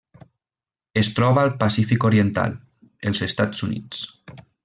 Es troba al Pacífic oriental: els Estats Units.